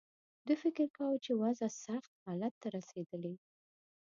دوی فکر کاوه چې وضع سخت حالت ته رسېدلې.